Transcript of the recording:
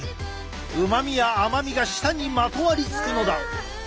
うまみや甘みが舌にまとわりつくのだ。